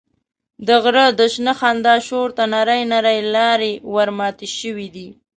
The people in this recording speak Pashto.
د غره د شنه خندا شور ته نرۍ نرۍ لارې ورماتې شوې دي.